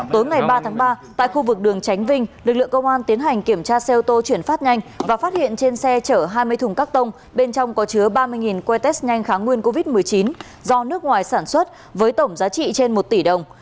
tối ngày ba tháng ba tại khu vực đường tránh vinh lực lượng công an tiến hành kiểm tra xe ô tô chuyển phát nhanh và phát hiện trên xe chở hai mươi thùng các tông bên trong có chứa ba mươi que test nhanh kháng nguyên covid một mươi chín do nước ngoài sản xuất với tổng giá trị trên một tỷ đồng